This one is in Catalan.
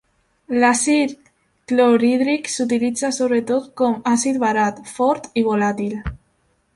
L'àcid clorhídric s'utilitza sobretot com àcid barat, fort i volàtil.